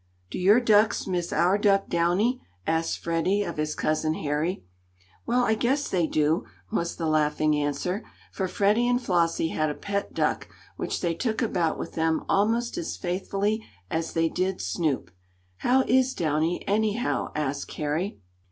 "Do your ducks miss our duck Downy?" asked Freddie of his cousin Harry. "Well, I guess they do," was the laughing answer, for Freddie and Flossie had a pet duck which they took about with them almost as faithfully as they did Snoop. "How is Downy, anyhow?" asked Harry.